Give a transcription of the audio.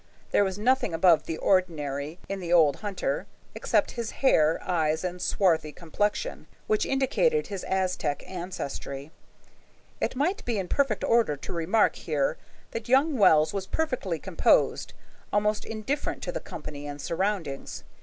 There was nothing above the ordinary in the old hunter, except his hair, eyes, and swarthy complexion, which indicated his Aztec ancestry. It might be in perfect order to remark here that young Wells was perfectly composed, almost indifferent to the company and surroundings.